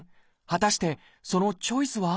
果たしてそのチョイスは？